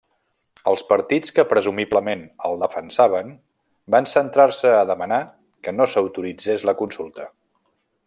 Els partits que presumiblement el defensaven van centrar-se a demanar que no s'autoritzés la consulta.